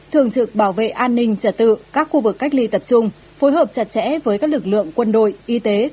thường trực bảo vệ an ninh trật tự các khu vực cách ly tập trung phối hợp chặt chẽ với các lực lượng quân đội y tế